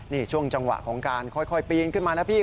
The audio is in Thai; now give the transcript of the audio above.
นี่ช่วงจังหวะของการค่อยปีนขึ้นมาแล้วพี่